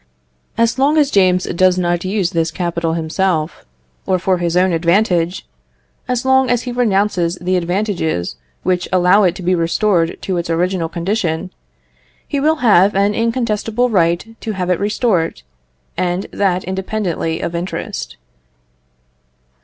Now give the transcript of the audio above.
As long as James does not use this capital himself, or for his own advantage as long as he renounces the advantages which allow it to be restored to its original condition he will have an incontestable right to have it restored, and that independently of interest.